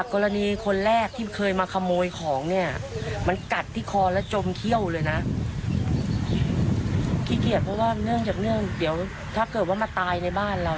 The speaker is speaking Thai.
ขี้เกียจเพราะว่าเนื่องจากเนื่องเดี๋ยวถ้าเกิดว่ามาตายในบ้านเรา